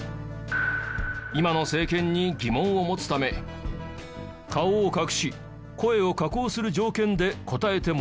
今の政権に疑問を持つため顔を隠し声を加工する条件で答えてもらいました。